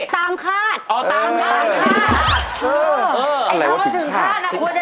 ตามคาด